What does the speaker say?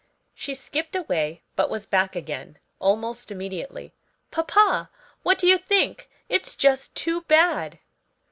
She skipped away, but was back again almost immediately. "Papa, what do you think? It's just too bad!"